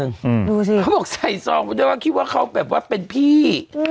เขาบอกว่าใส่ซองฉีกว่าเขาเป็นพี่